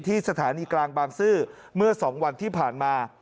สถานีกลางบางซื่อเมื่อ๒วันที่ผ่านมา